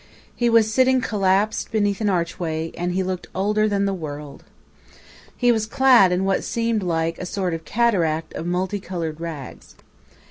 He was sitting collapsed beneath an archway, and he looked older than the world. He was clad in what seemed like a sort of cataract of multi colored rags.